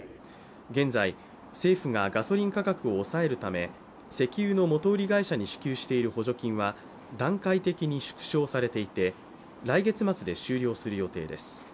現在、政府がガソリン価格を抑えるため、石油の元売り会社に支給している補助金は段階的に縮小されていて来月末に終了する予定です。